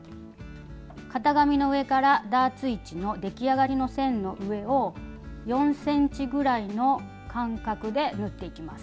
型紙の上からダーツ位置の出来上がりの線の上を４ｃｍぐらいの間隔で縫っていきます。